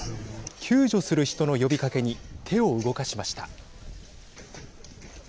救助する人の呼びかけに手を動かしました。